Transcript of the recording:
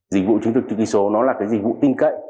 dịch vụ chứng thực chữ ký số nó là cái dịch vụ tin cậy